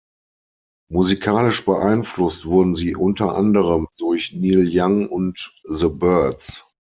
Musikalisch beeinflusst wurden sie unter anderem durch Neil Young und The Byrds.